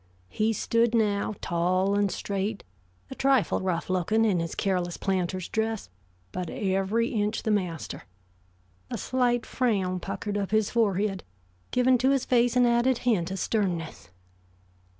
He stood now, tall and straight, a trifle rough looking in his careless planter's dress, but every inch the master. A slight frown puckered up his forehead, giving to his face an added hint of sternness.